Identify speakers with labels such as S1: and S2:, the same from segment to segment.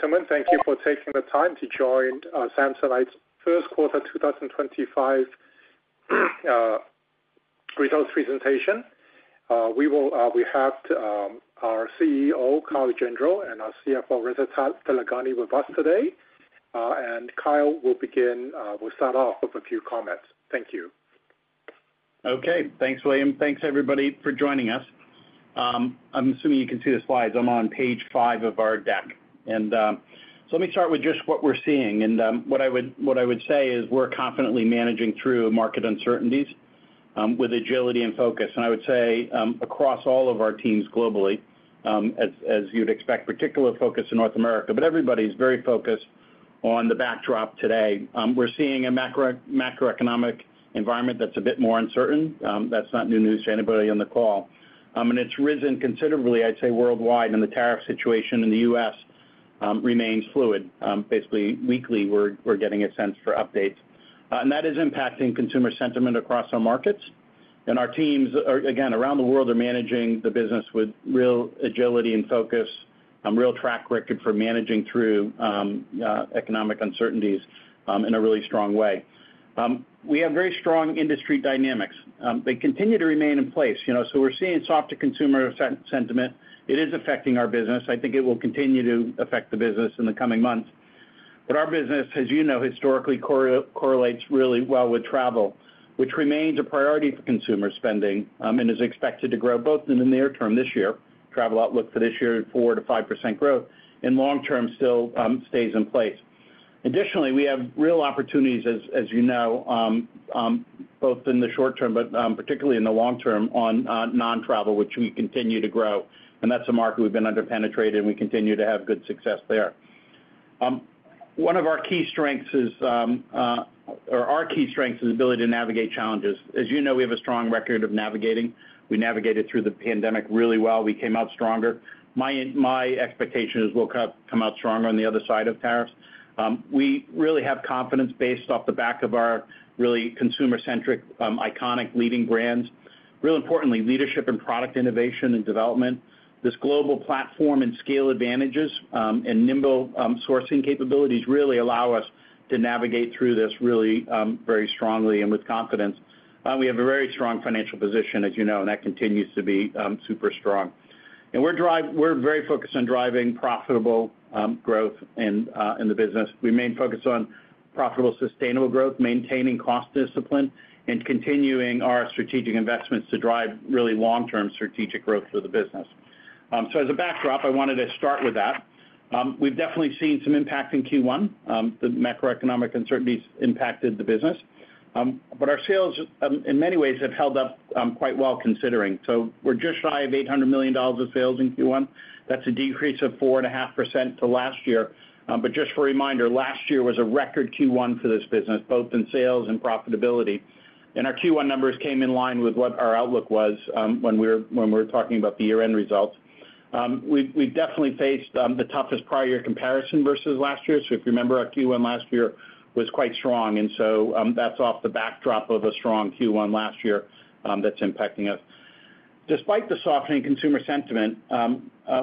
S1: Gentlemen, thank you for taking the time to join Samsonite's first quarter 2025 results presentation. We have our CEO, Kyle Gendreau, and our CFO, Reza Taleghani, with us today. Kyle will start off with a few comments. Thank you.
S2: Okay, thanks, William. Thanks, everybody, for joining us. I'm assuming you can see the slides. I'm on page five of our deck. Let me start with just what we're seeing. What I would say is we're confidently managing through market uncertainties with agility and focus. I would say across all of our teams globally, as you'd expect, particular focus in North America, but everybody's very focused on the backdrop today. We're seeing a macroeconomic environment that's a bit more uncertain. That's not new news to anybody on the call. It's risen considerably, I'd say, worldwide, and the tariff situation in the U.S. remains fluid. Basically, weekly, we're getting a sense for updates. That is impacting consumer sentiment across our markets. Our teams, again, around the world, are managing the business with real agility and focus, a real track record for managing through economic uncertainties in a really strong way. We have very strong industry dynamics. They continue to remain in place. We are seeing softer consumer sentiment. It is affecting our business. I think it will continue to affect the business in the coming months. Our business, as you know, historically correlates really well with travel, which remains a priority for consumer spending and is expected to grow both in the near term this year, travel outlook for this year, 4%-5% growth, and long term still stays in place. Additionally, we have real opportunities, as you know, both in the short term, but particularly in the long term on non-travel, which we continue to grow. That is a market we have been under penetrated, and we continue to have good success there. One of our key strengths is, or our key strength is the ability to navigate challenges. As you know, we have a strong record of navigating. We navigated through the pandemic really well. We came out stronger. My expectation is we will come out stronger on the other side of tariffs. We really have confidence based off the back of our really consumer-centric, iconic leading brands. Real importantly, leadership and product innovation and development, this global platform and scale advantages and nimble sourcing capabilities really allow us to navigate through this really very strongly and with confidence. We have a very strong financial position, as you know, and that continues to be super strong. We are very focused on driving profitable growth in the business. We main focus on profitable sustainable growth, maintaining cost discipline, and continuing our strategic investments to drive really long-term strategic growth for the business. As a backdrop, I wanted to start with that. We've definitely seen some impact in Q1. The macroeconomic uncertainties impacted the business. Our sales, in many ways, have held up quite well considering. We're just shy of $800 million of sales in Q1. That's a decrease of 4.5% to last year. Just for a reminder, last year was a record Q1 for this business, both in sales and profitability. Our Q1 numbers came in line with what our outlook was when we were talking about the year-end results. We've definitely faced the toughest prior year comparison versus last year. If you remember, our Q1 last year was quite strong. That is off the backdrop of a strong Q1 last year that is impacting us. Despite the softening consumer sentiment,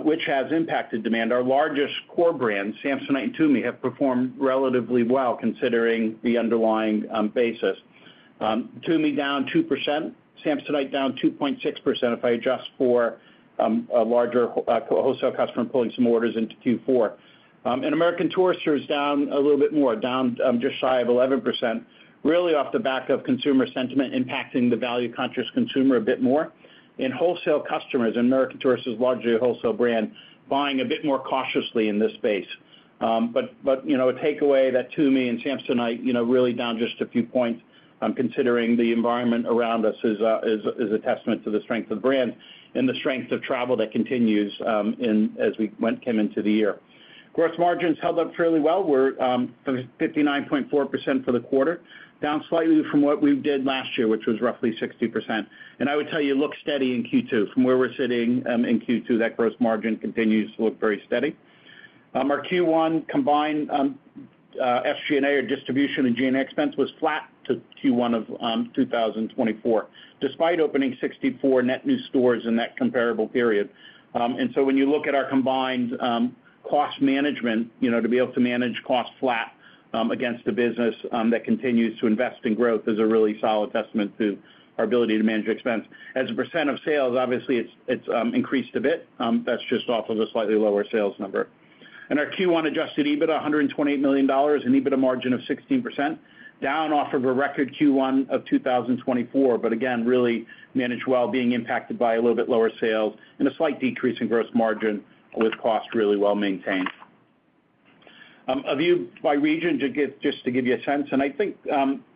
S2: which has impacted demand, our largest core brands, Samsonite and TUMI, have performed relatively well considering the underlying basis. TUMI down 2%, Samsonite down 2.6% if I adjust for a larger wholesale customer pulling some orders into Q4. American Tourister is down a little bit more, down just shy of 11%, really off the back of consumer sentiment impacting the value-conscious consumer a bit more. Wholesale customers, and American Tourister is largely a wholesale brand, are buying a bit more cautiously in this space. A takeaway is that TUMI and Samsonite are really down just a few points, considering the environment around us, which is a testament to the strength of the brand and the strength of travel that continues as we came into the year. Gross margins held up fairly well. We're 59.4% for the quarter, down slightly from what we did last year, which was roughly 60%. I would tell you, it looks steady in Q2. From where we're sitting in Q2, that gross margin continues to look very steady. Our Q1 combined SG&A or distribution and G&A expense was flat to Q1 of 2024, despite opening 64 net new stores in that comparable period. When you look at our combined cost management, to be able to manage costs flat against the business that continues to invest in growth is a really solid testament to our ability to manage expense. As a percent of sales, obviously, it's increased a bit. That's just off of a slightly lower sales number. Our Q1 adjusted EBITDA, $128 million, an EBITDA margin of 16%, down off of a record Q1 of 2024, but again, really managed well, being impacted by a little bit lower sales and a slight decrease in gross margin with costs really well maintained. A view by region, just to give you a sense. I think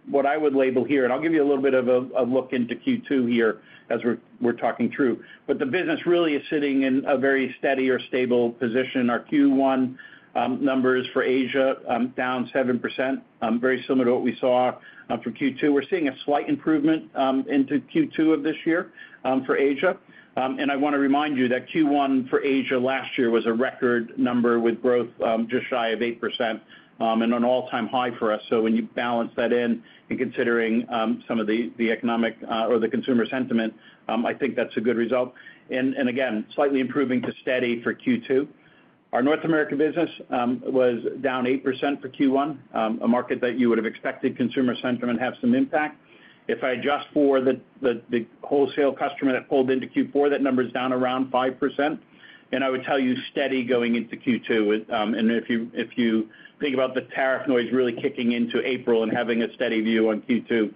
S2: what I would label here, and I'll give you a little bit of a look into Q2 here as we're talking through, but the business really is sitting in a very steady or stable position. Our Q1 numbers for Asia down 7%, very similar to what we saw for Q2. We're seeing a slight improvement into Q2 of this year for Asia. I want to remind you that Q1 for Asia last year was a record number with growth just shy of 8% and an all-time high for us. When you balance that in and considering some of the economic or the consumer sentiment, I think that's a good result. Again, slightly improving to steady for Q2. Our North American business was down 8% for Q1, a market that you would have expected consumer sentiment to have some impact. If I adjust for the wholesale customer that pulled into Q4, that number is down around 5%. I would tell you steady going into Q2. If you think about the tariff noise really kicking into April and having a steady view on Q2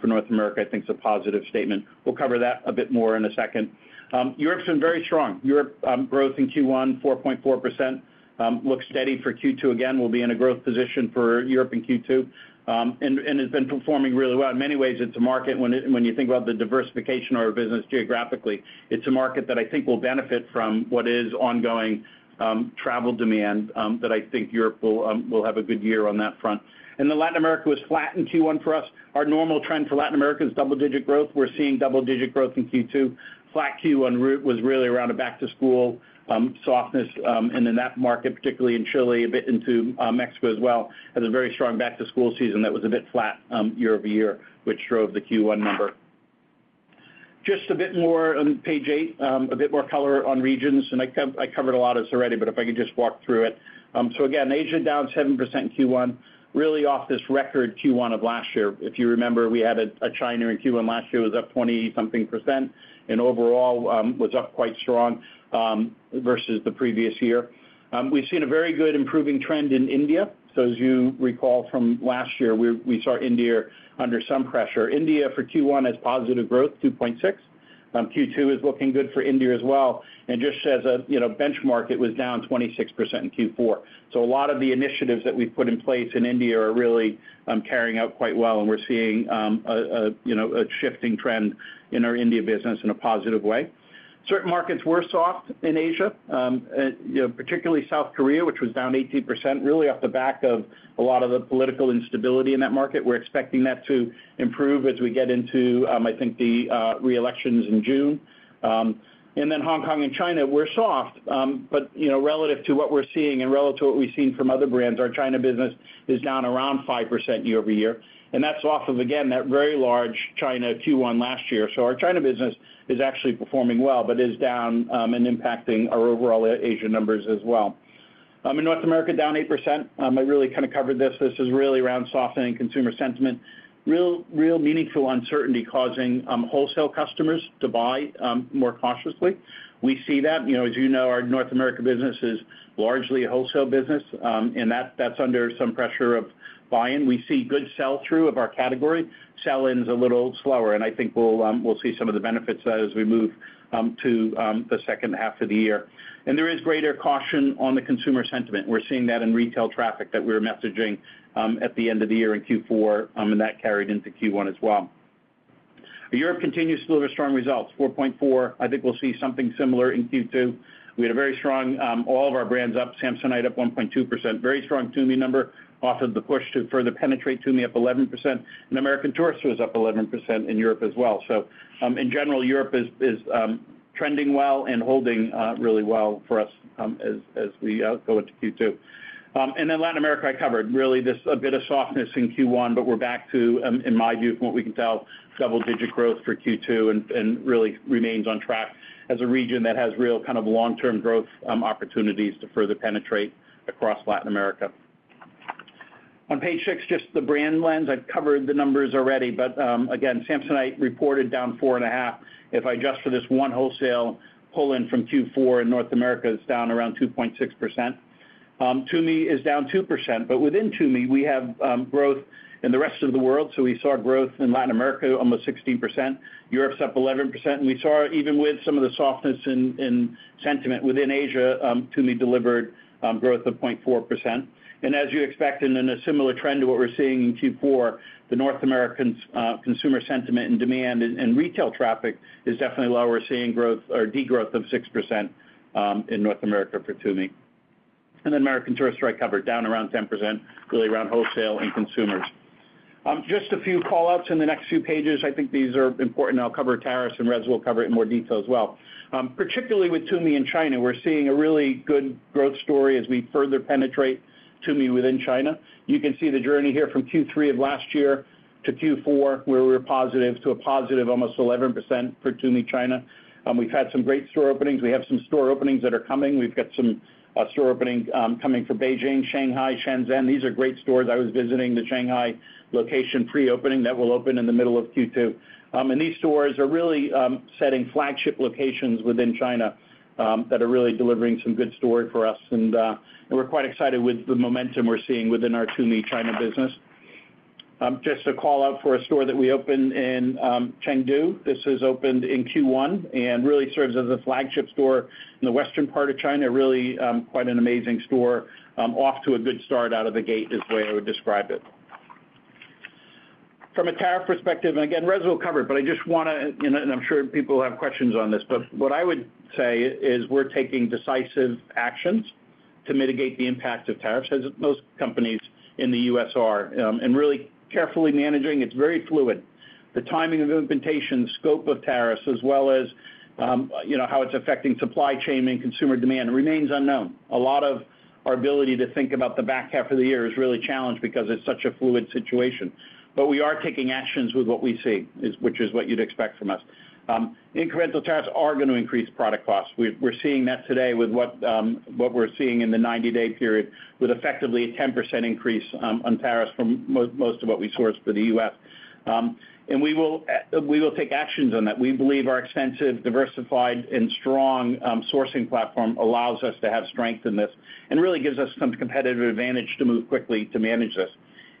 S2: for North America, I think it's a positive statement. We'll cover that a bit more in a second. Europe's been very strong. Europe growth in Q1, 4.4%, looks steady for Q2. Again, we'll be in a growth position for Europe in Q2 and has been performing really well. In many ways, it's a market when you think about the diversification of our business geographically. It's a market that I think will benefit from what is ongoing travel demand that I think Europe will have a good year on that front. Latin America was flat in Q1 for us. Our normal trend for Latin America is double-digit growth. We're seeing double-digit growth in Q2. Flat Q1 was really around a back-to-school softness. In that market, particularly in Chile, a bit into Mexico as well, had a very strong back-to-school season that was a bit flat year over year, which drove the Q1 number. Just a bit more on page eight, a bit more color on regions. I covered a lot of this already, but if I could just walk through it. Again, Asia down 7% in Q1, really off this record Q1 of last year. If you remember, we had China in Q1 last year was up 20-something % and overall was up quite strong versus the previous year. We've seen a very good improving trend in India. As you recall from last year, we saw India under some pressure. India for Q1 has positive growth, 2.6%. Q2 is looking good for India as well. Just as a benchmark, it was down 26% in Q4. A lot of the initiatives that we've put in place in India are really carrying out quite well. We're seeing a shifting trend in our India business in a positive way. Certain markets were soft in Asia, particularly South Korea, which was down 18%, really off the back of a lot of the political instability in that market. We're expecting that to improve as we get into, I think, the re-elections in June. Hong Kong and China were soft. Relative to what we are seeing and relative to what we have seen from other brands, our China business is down around 5% year over year. That is off of, again, that very large China Q1 last year. Our China business is actually performing well, but is down and impacting our overall Asia numbers as well. In North America, down 8%. I really kind of covered this. This is really around softening consumer sentiment, real meaningful uncertainty causing wholesale customers to buy more cautiously. We see that. As you know, our North America business is largely a wholesale business, and that is under some pressure of buy-in. We see good sell-through of our category. Sell-ins are a little slower. I think we will see some of the benefits of that as we move to the second half of the year. There is greater caution on the consumer sentiment. We're seeing that in retail traffic that we were messaging at the end of the year in Q4, and that carried into Q1 as well. Europe continues to deliver strong results, 4.4%. I think we'll see something similar in Q2. We had a very strong all of our brands up, Samsonite up 1.2%, very strong TUMI number off of the push to further penetrate TUMI up 11%. And American Tourister was up 11% in Europe as well. In general, Europe is trending well and holding really well for us as we go into Q2. Latin America, I covered really this a bit of softness in Q1, but we're back to, in my view, from what we can tell, double-digit growth for Q2 and really remains on track as a region that has real kind of long-term growth opportunities to further penetrate across Latin America. On page six, just the brand lens. I've covered the numbers already, but again, Samsonite reported down 4.5%. If I adjust for this one wholesale pull-in from Q4 in North America, it's down around 2.6%. TUMI is down 2%. But within TUMI, we have growth in the rest of the world. We saw growth in Latin America of almost 16%. Europe's up 11%. We saw, even with some of the softness in sentiment within Asia, TUMI delivered growth of 0.4%. As you expect, in a similar trend to what we're seeing in Q4, the North American consumer sentiment and demand and retail traffic is definitely lower. We're seeing growth or degrowth of 6% in North America for TUMI. American Tourister, I covered, down around 10%, really around wholesale and consumers. Just a few callouts in the next few pages. I think these are important. I'll cover tariffs, and Reza will cover it in more detail as well. Particularly with TUMI and China, we're seeing a really good growth story as we further penetrate TUMI within China. You can see the journey here from Q3 of last year to Q4, where we were positive to a positive almost 11% for TUMI, China. We've had some great store openings. We have some store openings that are coming. We've got some store opening coming for Beijing, Shanghai, Shenzhen. These are great stores. I was visiting the Shanghai location pre-opening that will open in the middle of Q2. These stores are really setting flagship locations within China that are really delivering some good story for us. We are quite excited with the momentum we are seeing within our TUMI China business. Just a callout for a store that we opened in Chengdu. This has opened in Q1 and really serves as a flagship store in the western part of China, really quite an amazing store off to a good start out of the gate is the way I would describe it. From a tariff perspective, and again, Reza will cover it, but I just want to, and I'm sure people have questions on this, what I would say is we're taking decisive actions to mitigate the impact of tariffs, as most companies in the U.S. are, and really carefully managing. It's very fluid. The timing of implementation, scope of tariffs, as well as how it's affecting supply chain and consumer demand remains unknown. A lot of our ability to think about the back half of the year is really challenged because it's such a fluid situation. We are taking actions with what we see, which is what you'd expect from us. Incremental tariffs are going to increase product costs. We're seeing that today with what we're seeing in the 90-day period with effectively a 10% increase on tariffs from most of what we source for the US. We will take actions on that. We believe our extensive, diversified, and strong sourcing platform allows us to have strength in this and really gives us some competitive advantage to move quickly to manage this.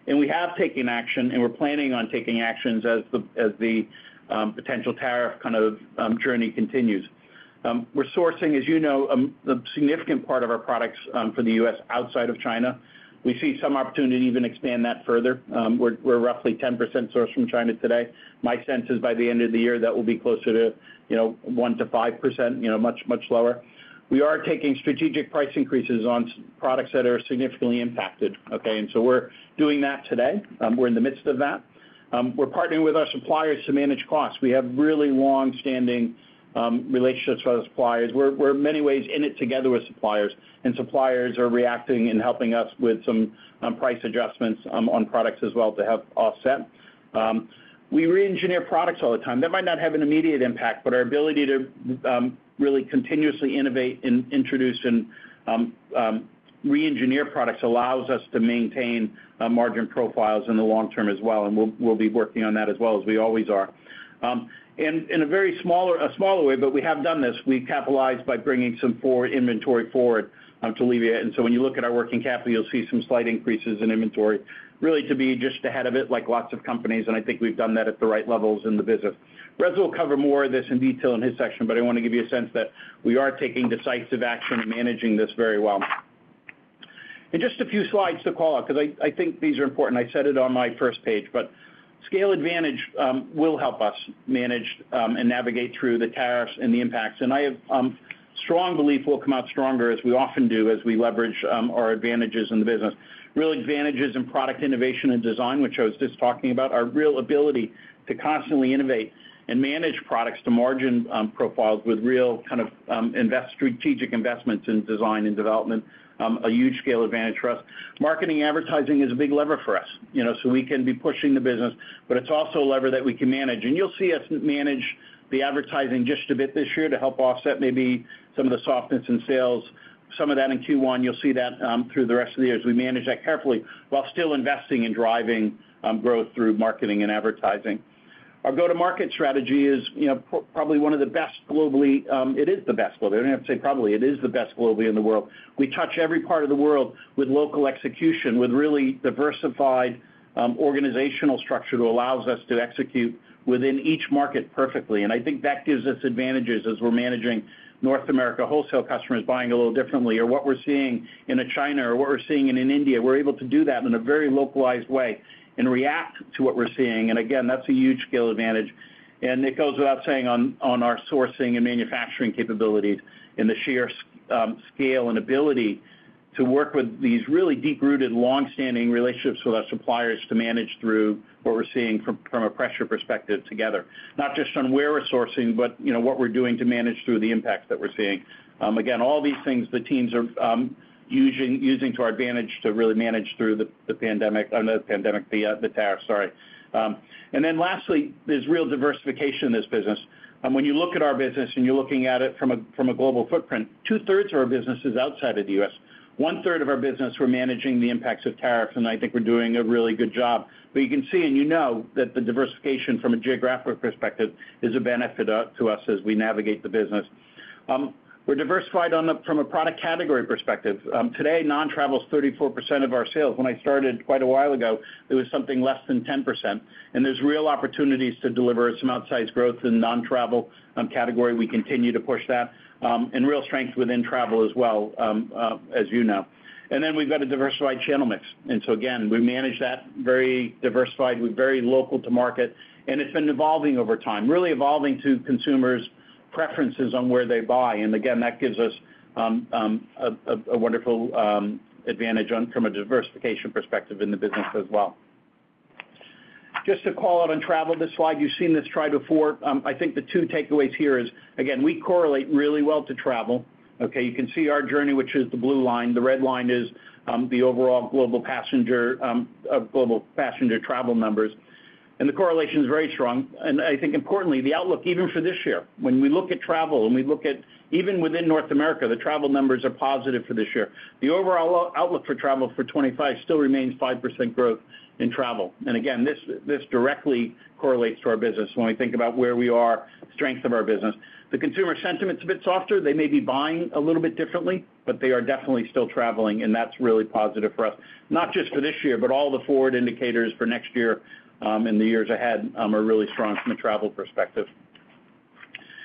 S2: We have taken action, and we are planning on taking actions as the potential tariff kind of journey continues. We are sourcing, as you know, a significant part of our products for the US outside of China. We see some opportunity to even expand that further. We are roughly 10% sourced from China today. My sense is by the end of the year that will be closer to 1-5%, much, much lower. We are taking strategic price increases on products that are significantly impacted. Okay. We are doing that today. We are in the midst of that. We are partnering with our suppliers to manage costs. We have really long-standing relationships with our suppliers. We're in many ways in it together with suppliers. Suppliers are reacting and helping us with some price adjustments on products as well to help offset. We re-engineer products all the time. That might not have an immediate impact, but our ability to really continuously innovate and introduce and re-engineer products allows us to maintain margin profiles in the long term as well. We'll be working on that as well as we always are. In a very smaller way, but we have done this. We've capitalized by bringing some inventory forward to alleviate it. When you look at our working capital, you'll see some slight increases in inventory, really to be just ahead of it like lots of companies. I think we've done that at the right levels in the business. Reza will cover more of this in detail in his section, but I want to give you a sense that we are taking decisive action and managing this very well. Just a few slides to call out because I think these are important. I said it on my first page, but scale advantage will help us manage and navigate through the tariffs and the impacts. I have strong belief we will come out stronger, as we often do, as we leverage our advantages in the business. Real advantages in product innovation and design, which I was just talking about, our real ability to constantly innovate and manage products to margin profiles with real kind of strategic investments in design and development, a huge scale advantage for us. Marketing advertising is a big lever for us. We can be pushing the business, but it's also a lever that we can manage. You'll see us manage the advertising just a bit this year to help offset maybe some of the softness in sales. Some of that in Q1, you'll see that through the rest of the year as we manage that carefully while still investing and driving growth through marketing and advertising. Our go-to-market strategy is probably one of the best globally. It is the best globally. I don't have to say probably. It is the best globally in the world. We touch every part of the world with local execution, with really diversified organizational structure that allows us to execute within each market perfectly. I think that gives us advantages as we're managing North America wholesale customers buying a little differently or what we're seeing in China or what we're seeing in India. We're able to do that in a very localized way and react to what we're seeing. Again, that's a huge scale advantage. It goes without saying on our sourcing and manufacturing capabilities and the sheer scale and ability to work with these really deep-rooted, long-standing relationships with our suppliers to manage through what we're seeing from a pressure perspective together, not just on where we're sourcing, but what we're doing to manage through the impacts that we're seeing. Again, all these things the teams are using to our advantage to really manage through the pandemic, not the pandemic, the tariff, sorry. Lastly, there's real diversification in this business. When you look at our business and you're looking at it from a global footprint, two-thirds of our business is outside of the US. One-third of our business, we're managing the impacts of tariffs. I think we're doing a really good job. You can see and you know that the diversification from a geographic perspective is a benefit to us as we navigate the business. We're diversified from a product category perspective. Today, non-travel is 34% of our sales. When I started quite a while ago, it was something less than 10%. There's real opportunities to deliver some outsized growth in the non-travel category. We continue to push that and real strength within travel as well, as you know. We've got a diversified channel mix. We manage that very diversified. We're very local to market. It's been evolving over time, really evolving to consumers' preferences on where they buy. That gives us a wonderful advantage from a diversification perspective in the business as well. Just a callout on travel this slide. You've seen this try before. I think the two takeaways here is, again, we correlate really well to travel. Okay. You can see our journey, which is the blue line. The red line is the overall global passenger travel numbers. The correlation is very strong. I think importantly, the outlook even for this year, when we look at travel and we look at even within North America, the travel numbers are positive for this year. The overall outlook for travel for 2025 still remains 5% growth in travel. Again, this directly correlates to our business when we think about where we are, strength of our business. The consumer sentiment's a bit softer. They may be buying a little bit differently, but they are definitely still traveling. That is really positive for us, not just for this year, but all the forward indicators for next year and the years ahead are really strong from a travel perspective.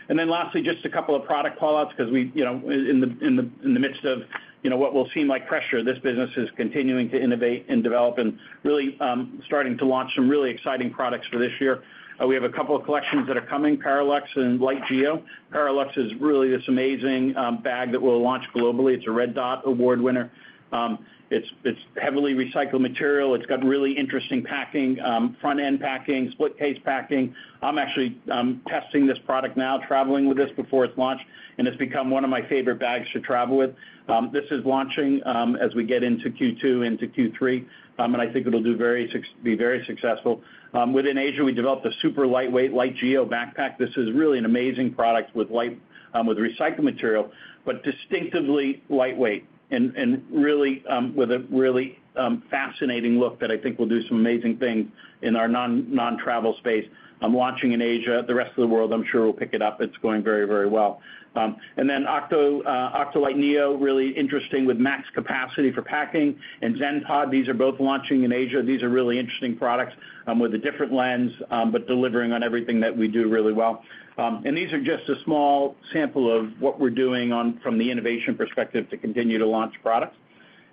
S2: Lastly, just a couple of product callouts because in the midst of what will seem like pressure, this business is continuing to innovate and develop and really starting to launch some really exciting products for this year. We have a couple of collections that are coming, Parallax and Light Geo. Parallax is really this amazing bag that we will launch globally. It is a Red Dot Award winner. It is heavily recycled material. It has got really interesting packing, front-end packing, split-case packing. I am actually testing this product now, traveling with this before it is launched. It has become one of my favorite bags to travel with. This is launching as we get into Q2 into Q3. I think it'll be very successful. Within Asia, we developed a super lightweight Light Geo backpack. This is really an amazing product with recycled material, but distinctively lightweight and really with a really fascinating look that I think will do some amazing things in our non-travel space. I'm launching in Asia. The rest of the world, I'm sure will pick it up. It's going very, very well. Octolite Neo, really interesting with max capacity for packing. Zenpod, these are both launching in Asia. These are really interesting products with a different lens, but delivering on everything that we do really well. These are just a small sample of what we're doing from the innovation perspective to continue to launch products.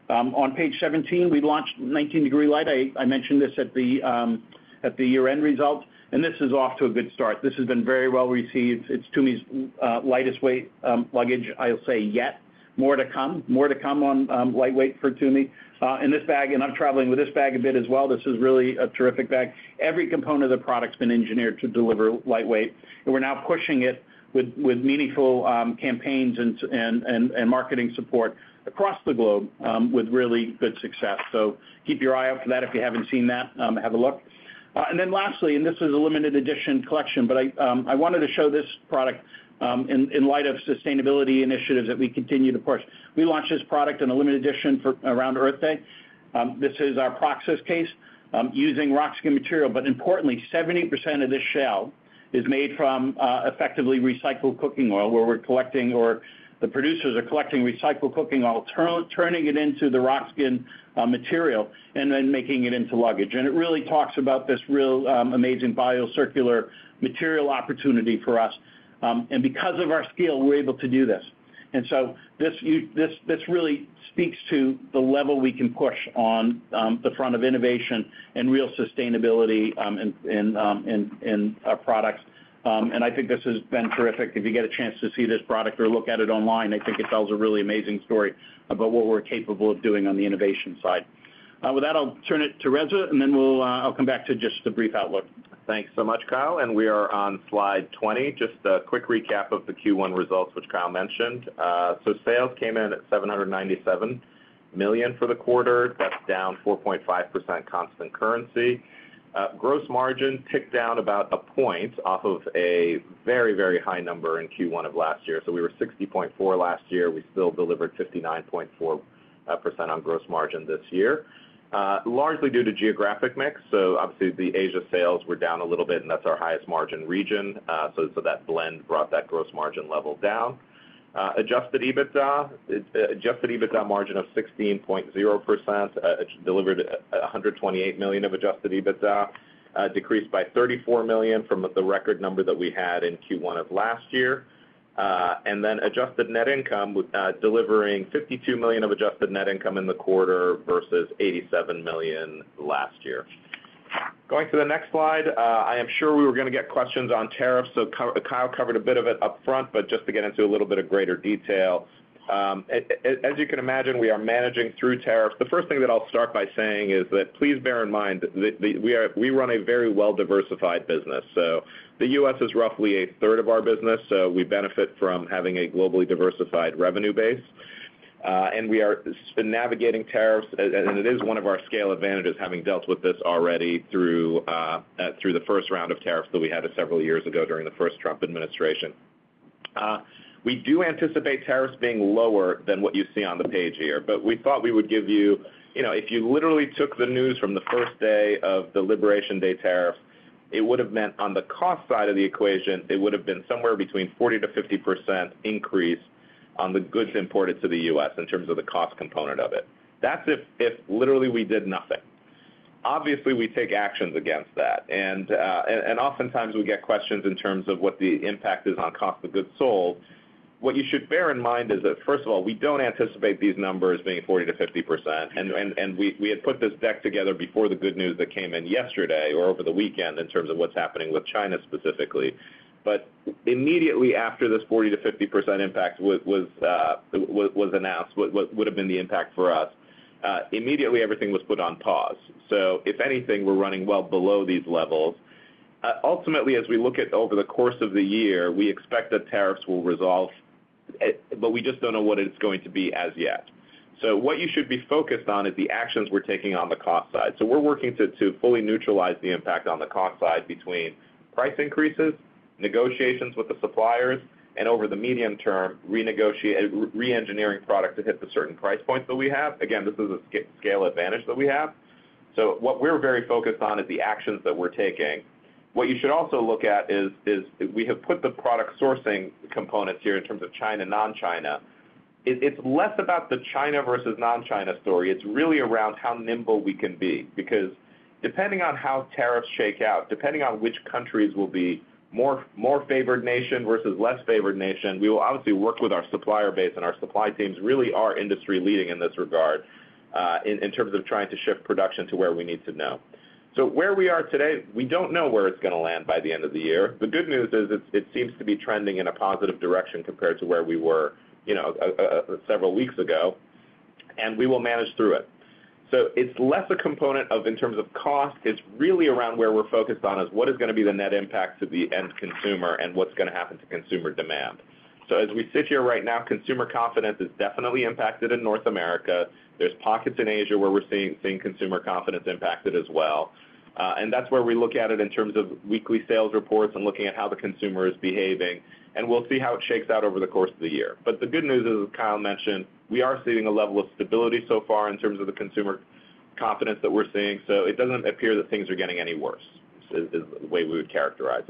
S2: On page 17, we launched 19-Degree Light. I mentioned this at the year-end result. This is off to a good start. This has been very well received. It's TUMI's lightest weight luggage, I'll say yet. More to come, more to come on lightweight for TUMI. This bag, and I'm traveling with this bag a bit as well. This is really a terrific bag. Every component of the product's been engineered to deliver lightweight. We're now pushing it with meaningful campaigns and marketing support across the globe with really good success. Keep your eye out for that if you haven't seen that. Have a look. Lastly, this is a limited edition collection, but I wanted to show this product in light of sustainability initiatives that we continue to push. We launched this product in a limited edition for around Earth Day. This is our Process Case using Rock Skin material. Importantly, 70% of this shell is made from effectively recycled cooking oil, where we are collecting or the producers are collecting recycled cooking oil, turning it into the Rock Skin material, and then making it into luggage. It really talks about this real amazing bio-circular material opportunity for us. Because of our scale, we are able to do this. This really speaks to the level we can push on the front of innovation and real sustainability in our products. I think this has been terrific. If you get a chance to see this product or look at it online, I think it tells a really amazing story about what we are capable of doing on the innovation side. With that, I will turn it to Reza, and then I will come back to just a brief outlook.
S3: Thanks so much, Kyle. We are on slide 20, just a quick recap of the Q1 results, which Kyle mentioned. Sales came in at $797 million for the quarter. That is down 4.5% constant currency. Gross margin ticked down about a point off of a very, very high number in Q1 of last year. We were 60.4% last year. We still delivered 59.4% on gross margin this year, largely due to geographic mix. Obviously, the Asia sales were down a little bit, and that is our highest margin region. That blend brought that gross margin level down. Adjusted EBITDA, adjusted EBITDA margin of 16.0%, delivered $128 million of adjusted EBITDA, decreased by $34 million from the record number that we had in Q1 of last year. Adjusted net income, delivering $52 million of adjusted net income in the quarter versus $87 million last year. Going to the next slide, I am sure we were going to get questions on tariffs. Kyle covered a bit of it upfront, but just to get into a little bit of greater detail. As you can imagine, we are managing through tariffs. The first thing that I'll start by saying is that please bear in mind that we run a very well-diversified business. The U.S. is roughly a third of our business. We benefit from having a globally diversified revenue base. We are navigating tariffs, and it is one of our scale advantages, having dealt with this already through the first round of tariffs that we had several years ago during the first Trump administration. We do anticipate tariffs being lower than what you see on the page here. We thought we would give you, if you literally took the news from the first day of the Liberation Day tariffs, it would have meant on the cost side of the equation, it would have been somewhere between 40-50% increase on the goods imported to the U.S. in terms of the cost component of it. That is if literally we did nothing. Obviously, we take actions against that. Oftentimes, we get questions in terms of what the impact is on cost of goods sold. What you should bear in mind is that, first of all, we do not anticipate these numbers being 40-50%. We had put this deck together before the good news that came in yesterday or over the weekend in terms of what is happening with China specifically. Immediately after this 40-50% impact was announced, what would have been the impact for us, immediately everything was put on pause. If anything, we're running well below these levels. Ultimately, as we look at over the course of the year, we expect that tariffs will resolve, but we just do not know what it is going to be as yet. What you should be focused on is the actions we are taking on the cost side. We are working to fully neutralize the impact on the cost side between price increases, negotiations with the suppliers, and over the medium term, re-engineering product to hit the certain price points that we have. Again, this is a scale advantage that we have. What we are very focused on is the actions that we are taking. What you should also look at is we have put the product sourcing components here in terms of China/non-China. It's less about the China versus non-China story. It's really around how nimble we can be. Because depending on how tariffs shake out, depending on which countries will be more favored nation versus less favored nation, we will obviously work with our supplier base and our supply teams, really our industry leading in this regard in terms of trying to shift production to where we need to know. Where we are today, we don't know where it's going to land by the end of the year. The good news is it seems to be trending in a positive direction compared to where we were several weeks ago. We will manage through it. It's less a component of in terms of cost. It's really around where we're focused on is what is going to be the net impact to the end consumer and what's going to happen to consumer demand. As we sit here right now, consumer confidence is definitely impacted in North America. There are pockets in Asia where we're seeing consumer confidence impacted as well. That's where we look at it in terms of weekly sales reports and looking at how the consumer is behaving. We'll see how it shakes out over the course of the year. The good news is, as Kyle mentioned, we are seeing a level of stability so far in terms of the consumer confidence that we're seeing. It doesn't appear that things are getting any worse is the way we would characterize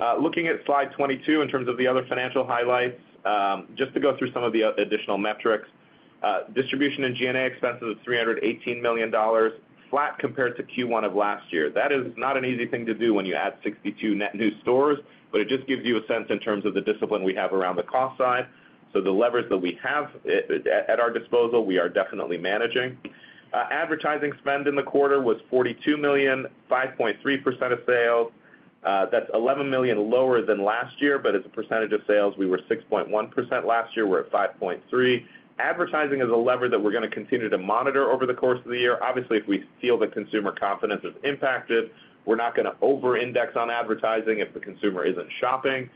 S3: it. Looking at slide 22 in terms of the other financial highlights, just to go through some of the additional metrics, distribution and G&A expenses of $318 million, flat compared to Q1 of last year. That is not an easy thing to do when you add 62 net new stores, but it just gives you a sense in terms of the discipline we have around the cost side. So the levers that we have at our disposal, we are definitely managing. Advertising spend in the quarter was $42 million, 5.3% of sales. That's $11 million lower than last year, but as a percentage of sales, we were 6.1% last year. We're at 5.3%. Advertising is a lever that we're going to continue to monitor over the course of the year. Obviously, if we feel the consumer confidence is impacted, we're not going to over-index on advertising if the consumer isn't shopping.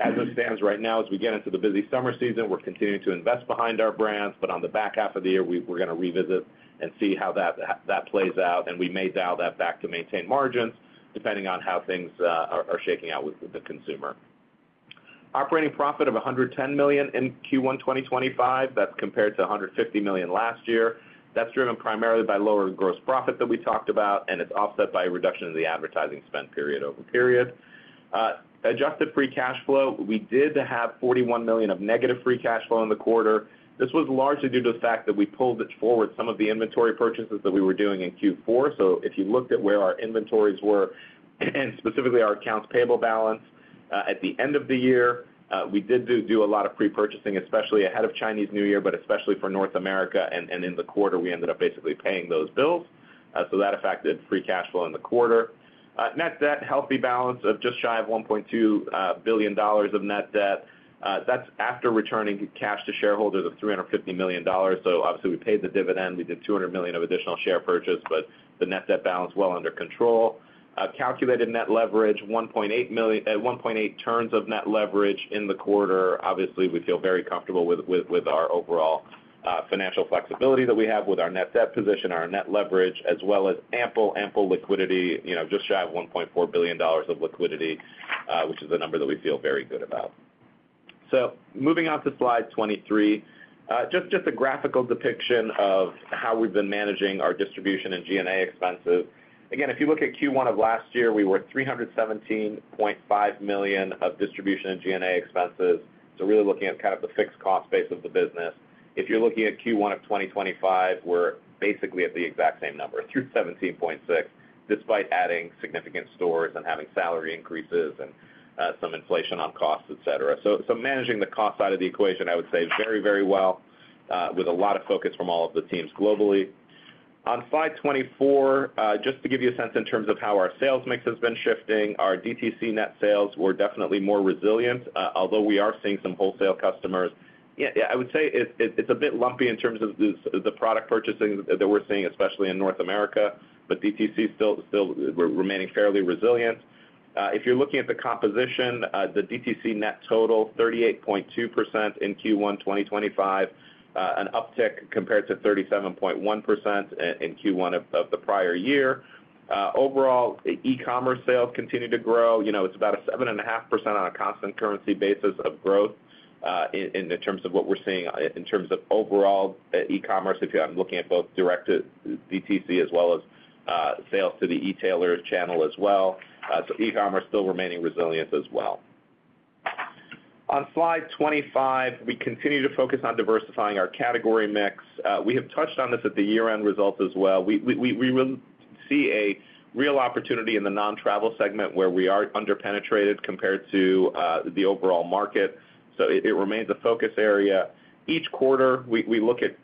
S3: As it stands right now, as we get into the busy summer season, we're continuing to invest behind our brands. On the back half of the year, we're going to revisit and see how that plays out. We may dial that back to maintain margins depending on how things are shaking out with the consumer. Operating profit of $110 million in Q1 2025. That's compared to $150 million last year. That's driven primarily by lower gross profit that we talked about, and it's offset by a reduction in the advertising spend period over period. Adjusted free cash flow, we did have $41 million of negative free cash flow in the quarter. This was largely due to the fact that we pulled forward some of the inventory purchases that we were doing in Q4. If you looked at where our inventories were and specifically our accounts payable balance at the end of the year, we did do a lot of pre-purchasing, especially ahead of Chinese New Year, but especially for North America. In the quarter, we ended up basically paying those bills. That affected free cash flow in the quarter. Net debt, healthy balance of just shy of $1.2 billion of net debt. That is after returning cash to shareholders of $350 million. Obviously, we paid the dividend. We did $200 million of additional share purchase, but the net debt balance is well under control. Calculated net leverage, 1.8 turns of net leverage in the quarter. Obviously, we feel very comfortable with our overall financial flexibility that we have with our net debt position, our net leverage, as well as ample, ample liquidity, just shy of $1.4 billion of liquidity, which is a number that we feel very good about. Moving on to slide 23, just a graphical depiction of how we've been managing our distribution and G&A expenses. Again, if you look at Q1 of last year, we were $317.5 million of distribution and G&A expenses. Really looking at kind of the fixed cost base of the business. If you're looking at Q1 of 2025, we're basically at the exact same number, $317.6 million, despite adding significant stores and having salary increases and some inflation on costs, etc. Managing the cost side of the equation, I would say, very, very well with a lot of focus from all of the teams globally. On slide 24, just to give you a sense in terms of how our sales mix has been shifting, our DTC net sales were definitely more resilient, although we are seeing some wholesale customers. I would say it's a bit lumpy in terms of the product purchasing that we're seeing, especially in North America, but DTC still remaining fairly resilient. If you're looking at the composition, the DTC net total, 38.2% in Q1 2025, an uptick compared to 37.1% in Q1 of the prior year. Overall, e-commerce sales continue to grow. It's about a 7.5% on a constant currency basis of growth in terms of what we're seeing in terms of overall e-commerce, if you're looking at both direct to DTC as well as sales to the e-tailer channel as well. E-commerce still remaining resilient as well. On slide 25, we continue to focus on diversifying our category mix. We have touched on this at the year-end results as well. We see a real opportunity in the non-travel segment where we are under-penetrated compared to the overall market. It remains a focus area. Each quarter, we look at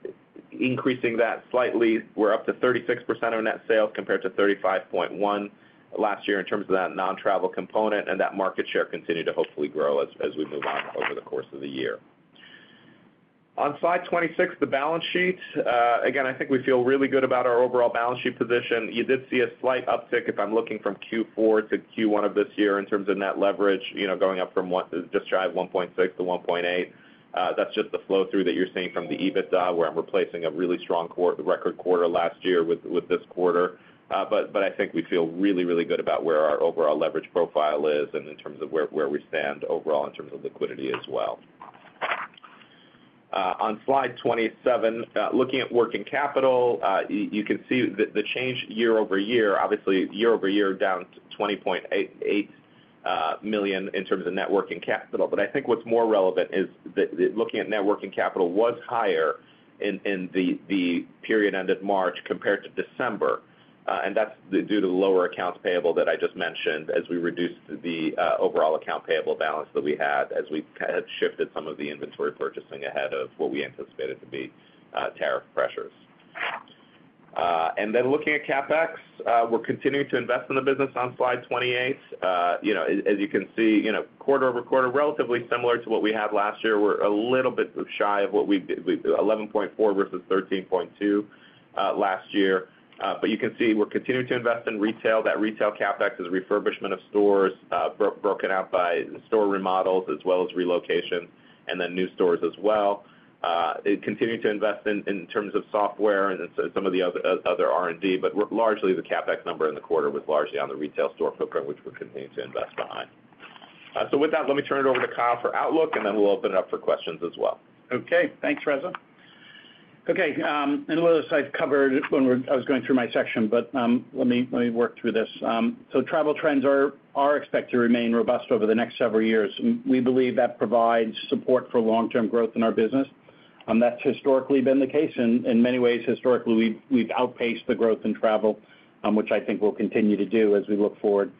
S3: increasing that slightly. We are up to 36% of net sales compared to 35.1% last year in terms of that non-travel component. That market share continued to hopefully grow as we move on over the course of the year. On slide 26, the balance sheet. Again, I think we feel really good about our overall balance sheet position. You did see a slight uptick, if I am looking from Q4 to Q1 of this year in terms of net leverage going up from just shy of 1.6 to 1.8. That's just the flow through that you're seeing from the EBITDA where I'm replacing a really strong record quarter last year with this quarter. I think we feel really, really good about where our overall leverage profile is and in terms of where we stand overall in terms of liquidity as well. On slide 27, looking at working capital, you can see the change year over year, obviously, year over year down $20.8 million in terms of net working capital. I think what's more relevant is that looking at net working capital was higher in the period ended March compared to December. That's due to the lower accounts payable that I just mentioned as we reduced the overall accounts payable balance that we had as we had shifted some of the inventory purchasing ahead of what we anticipated to be tariff pressures. Looking at CapEx, we're continuing to invest in the business on slide 28. As you can see, quarter over quarter, relatively similar to what we had last year. We're a little bit shy of what we did, $11.4 million versus $13.2 million last year. You can see we're continuing to invest in retail. That retail CapEx is refurbishment of stores broken out by store remodels as well as relocations and then new stores as well. Continuing to invest in terms of software and some of the other R&D. Largely, the CapEx number in the quarter was largely on the retail store footprint, which we're continuing to invest behind. With that, let me turn it over to Kyle for outlook, and then we'll open it up for questions as well.
S1: Okay. Thanks, Reza. Okay. A little aside covered when I was going through my section, but let me work through this. Travel trends are expected to remain robust over the next several years. We believe that provides support for long-term growth in our business. That's historically been the case. In many ways, historically, we've outpaced the growth in travel, which I think we'll continue to do as we look forward.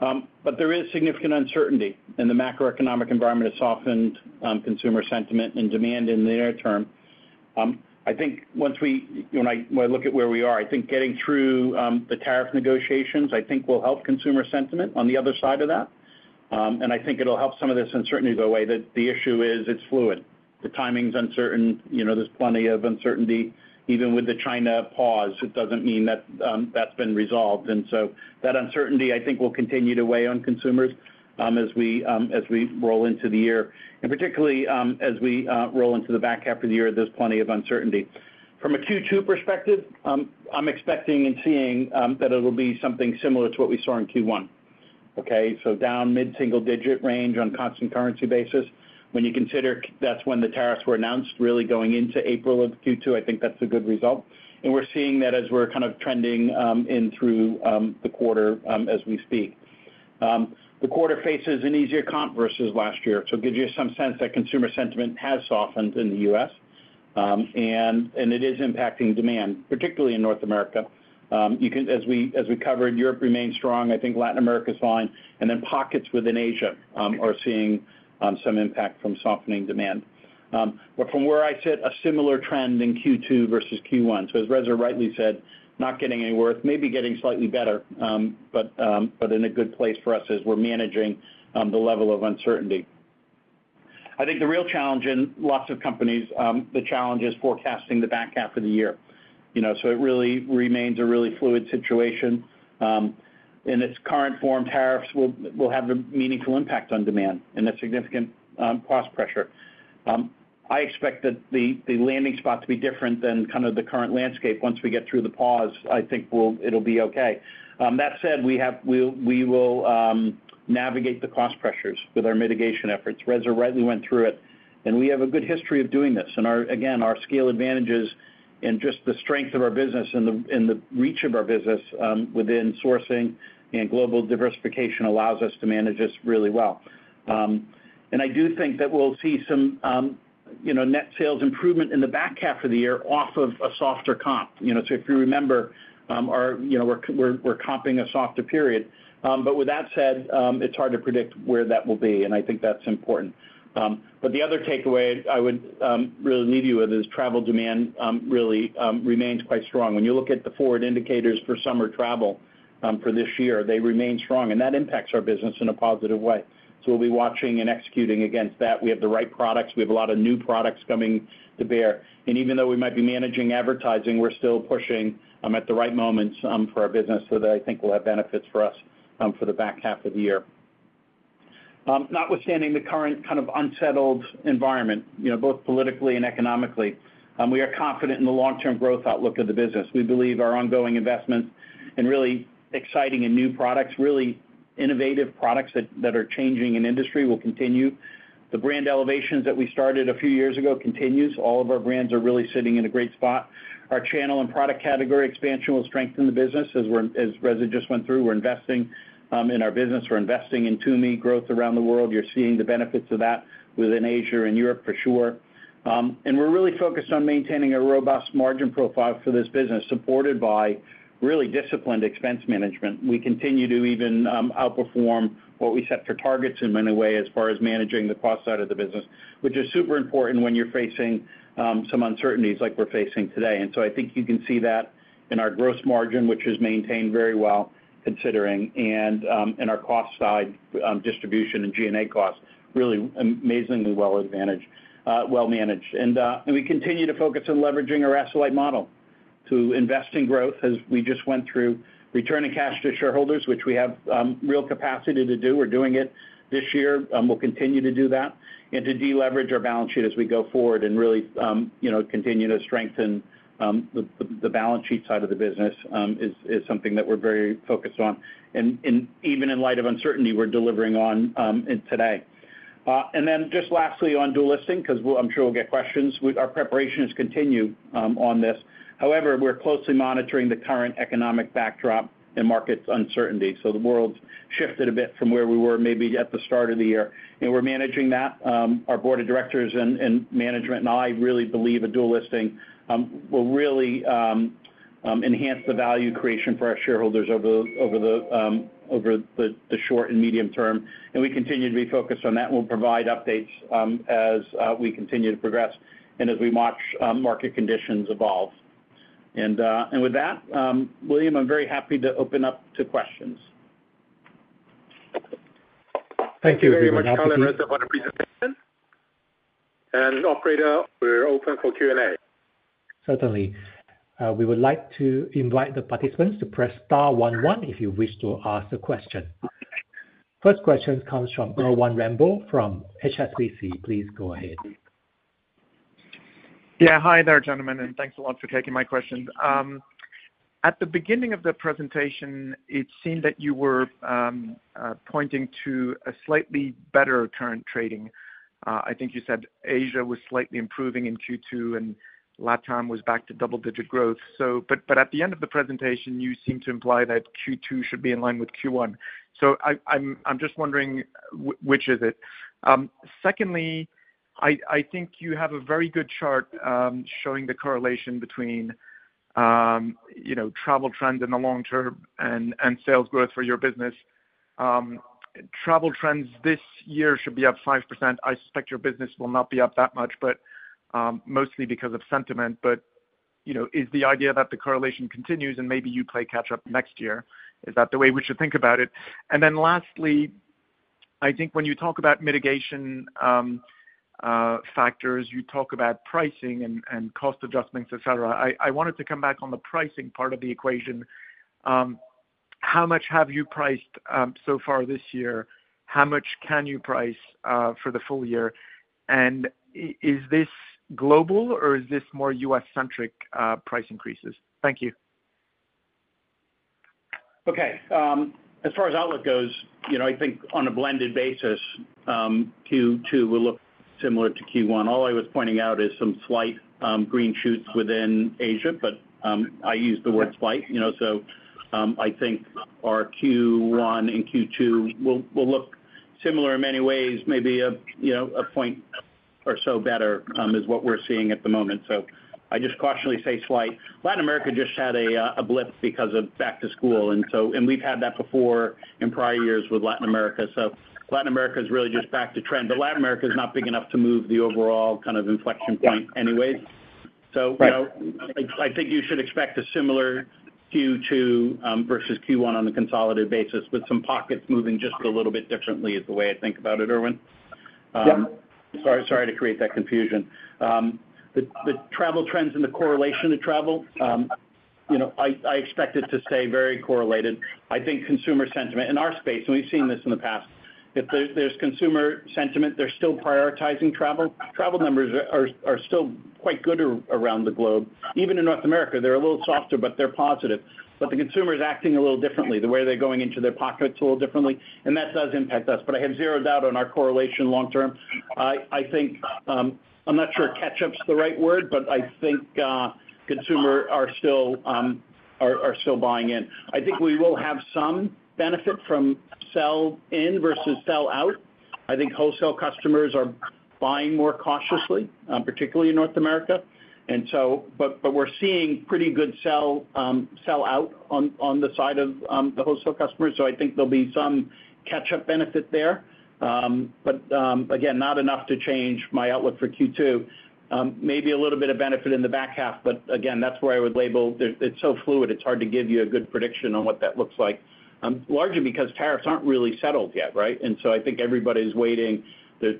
S1: There is significant uncertainty in the macroeconomic environment. It's softened consumer sentiment and demand in the near term. I think once we look at where we are, I think getting through the tariff negotiations will help consumer sentiment on the other side of that. I think it'll help some of this uncertainty go away. The issue is it's fluid. The timing's uncertain. There's plenty of uncertainty. Even with the China pause, it doesn't mean that that's been resolved. I think that uncertainty will continue to weigh on consumers as we roll into the year. Particularly as we roll into the back half of the year, there's plenty of uncertainty. From a Q2 perspective, I'm expecting and seeing that it'll be something similar to what we saw in Q1. Okay? Down mid-single digit range on a constant currency basis. When you consider that's when the tariffs were announced, really going into April of Q2, I think that's a good result. We're seeing that as we're kind of trending in through the quarter as we speak. The quarter faces an easier comp versus last year. It gives you some sense that consumer sentiment has softened in the US. It is impacting demand, particularly in North America. As we covered, Europe remains strong. I think Latin America is fine. Then pockets within Asia are seeing some impact from softening demand. From where I sit, a similar trend in Q2 versus Q1. As Reza rightly said, not getting any worse, maybe getting slightly better, but in a good place for us as we're managing the level of uncertainty. I think the real challenge in lots of companies, the challenge is forecasting the back half of the year. It really remains a really fluid situation. In its current form, tariffs will have a meaningful impact on demand and a significant cost pressure. I expect that the landing spot to be different than kind of the current landscape once we get through the pause. I think it'll be okay. That said, we will navigate the cost pressures with our mitigation efforts. Reza rightly went through it.
S3: We have a good history of doing this. Again, our scale advantages and just the strength of our business and the reach of our business within sourcing and global diversification allows us to manage this really well. I do think that we'll see some net sales improvement in the back half of the year off of a softer comp. If you remember, we're comping a softer period. With that said, it's hard to predict where that will be. I think that's important. The other takeaway I would really leave you with is travel demand really remains quite strong. When you look at the forward indicators for summer travel for this year, they remain strong. That impacts our business in a positive way. We'll be watching and executing against that. We have the right products. We have a lot of new products coming to bear. Even though we might be managing advertising, we're still pushing at the right moments for our business, so that I think will have benefits for us for the back half of the year. Notwithstanding the current kind of unsettled environment, both politically and economically, we are confident in the long-term growth outlook of the business. We believe our ongoing investments and really exciting and new products, really innovative products that are changing an industry, will continue. The brand elevations that we started a few years ago continue. All of our brands are really sitting in a great spot. Our channel and product category expansion will strengthen the business. As Reza just went through, we're investing in our business. We're investing in TUMI growth around the world. You're seeing the benefits of that within Asia and Europe for sure. We are really focused on maintaining a robust margin profile for this business supported by really disciplined expense management. We continue to even outperform what we set for targets in many ways as far as managing the cost side of the business, which is super important when you are facing some uncertainties like we are facing today. I think you can see that in our gross margin, which is maintained very well considering, and in our cost side, distribution and G&A costs, really amazingly well managed. We continue to focus on leveraging our asset-light model to invest in growth as we just went through returning cash to shareholders, which we have real capacity to do. We are doing it this year. We will continue to do that. To deleverage our balance sheet as we go forward and really continue to strengthen the balance sheet side of the business is something that we're very focused on. Even in light of uncertainty, we're delivering on it today. Lastly, on dual listing, because I'm sure we'll get questions, our preparations continue on this. However, we're closely monitoring the current economic backdrop and markets uncertainty. The world's shifted a bit from where we were maybe at the start of the year. We're managing that. Our board of directors and management and I really believe a dual listing will really enhance the value creation for our shareholders over the short and medium term. We continue to be focused on that. We'll provide updates as we continue to progress and as we watch market conditions evolve. With that, William, I'm very happy to open up to questions.
S1: Thank you very much, Reza, for the presentation. Operator, we're open for Q&A.
S4: Certainly. We would like to invite the participants to press star 11 if you wish to ask a question. First question comes from Erwan Rambourg from HSBC. Please go ahead.
S5: Yeah. Hi there, gentlemen. Thanks a lot for taking my question. At the beginning of the presentation, it seemed that you were pointing to a slightly better current trading. I think you said Asia was slightly improving in Q2 and Latam was back to double-digit growth. At the end of the presentation, you seem to imply that Q2 should be in line with Q1. I'm just wondering which is it. Secondly, I think you have a very good chart showing the correlation between travel trends in the long term and sales growth for your business. Travel trends this year should be up 5%. I suspect your business will not be up that much, mostly because of sentiment. Is the idea that the correlation continues and maybe you play catch-up next year? Is that the way we should think about it? Lastly, I think when you talk about mitigation factors, you talk about pricing and cost adjustments, etc. I wanted to come back on the pricing part of the equation. How much have you priced so far this year? How much can you price for the full year? And is this global or is this more US-centric price increases? Thank you.
S2: Okay. As far as outlook goes, I think on a blended basis, Q2 will look similar to Q1. All I was pointing out is some slight green shoots within Asia, but I use the word slight. I think our Q1 and Q2 will look similar in many ways. Maybe a point or so better is what we're seeing at the moment. I just cautionarily say slight. Latin America just had a blip because of back to school. We've had that before in prior years with Latin America. Latin America is really just back to trend. Latin America is not big enough to move the overall kind of inflection point anyways. I think you should expect a similar Q2 versus Q1 on a consolidated basis with some pockets moving just a little bit differently is the way I think about it, Erwan. Sorry to create that confusion. The travel trends and the correlation to travel, I expect it to stay very correlated. I think consumer sentiment in our space, and we've seen this in the past, if there's consumer sentiment, they're still prioritizing travel. Travel numbers are still quite good around the globe. Even in North America, they're a little softer, but they're positive. The consumer is acting a little differently. The way they're going into their pockets is a little differently. That does impact us. I have zero doubt on our correlation long term. I think I'm not sure catch-up is the right word, but I think consumers are still buying in. I think we will have some benefit from sell-in versus sell-out. I think wholesale customers are buying more cautiously, particularly in North America. We're seeing pretty good sell-out on the side of the wholesale customers. I think there'll be some catch-up benefit there. Again, not enough to change my outlook for Q2. Maybe a little bit of benefit in the back half. Again, that's where I would label it's so fluid, it's hard to give you a good prediction on what that looks like. Largely because tariffs aren't really settled yet, right? I think everybody's waiting. They're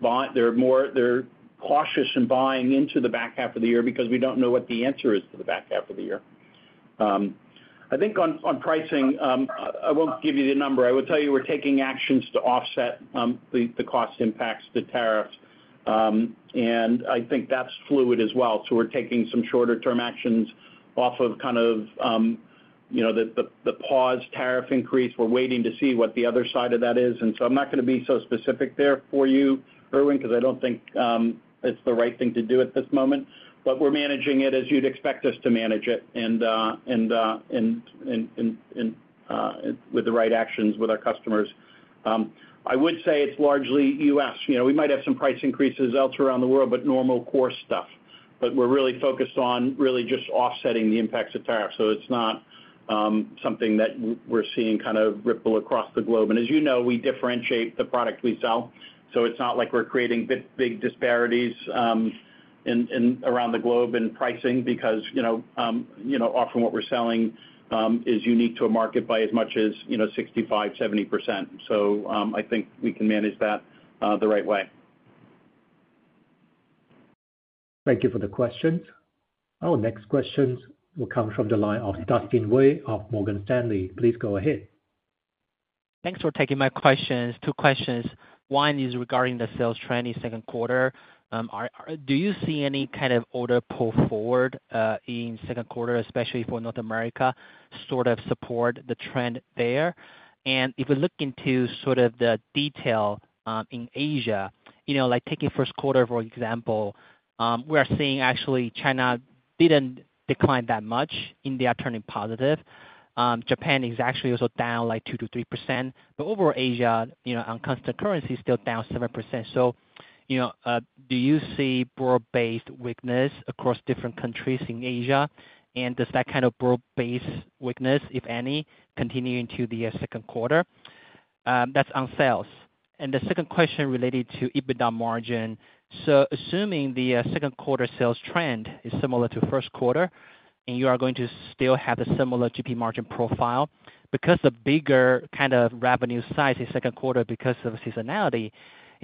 S2: cautious in buying into the back half of the year because we don't know what the answer is to the back half of the year. I think on pricing, I won't give you the number. I will tell you we're taking actions to offset the cost impacts to tariffs. I think that's fluid as well. We're taking some shorter-term actions off of kind of the pause tariff increase. We're waiting to see what the other side of that is. I'm not going to be so specific there for you, Erwan, because I don't think it's the right thing to do at this moment. We're managing it as you'd expect us to manage it and with the right actions with our customers. I would say it's largely US. We might have some price increases elsewhere around the world, but normal course stuff. We're really focused on really just offsetting the impacts of tariffs. It's not something that we're seeing kind of ripple across the globe. As you know, we differentiate the product we sell. It's not like we're creating big disparities around the globe in pricing because often what we're selling is unique to a market by as much as 65-70%. I think we can manage that the right way.
S4: Thank you for the questions. Our next questions will come from the line of Dustin Wei of Morgan Stanley. Please go ahead.
S6: Thanks for taking my questions. Two questions. One is regarding the sales trend in second quarter. Do you see any kind of order pull forward in second quarter, especially for North America, sort of support the trend there? If we look into sort of the detail in Asia, like taking first quarter, for example, we are seeing actually China did not decline that much and they are turning positive. Japan is actually also down like 2-3%. Overall Asia, on constant currency, still down 7%. Do you see broad-based weakness across different countries in Asia? Does that kind of broad-based weakness, if any, continue into the second quarter? That is on sales. The second question is related to EBITDA margin. Assuming the second quarter sales trend is similar to first quarter and you are going to still have a similar GP margin profile, because the bigger kind of revenue size in second quarter because of seasonality,